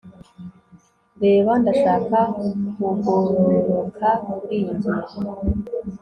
reba, ndashaka kugororoka kuriyi ngingo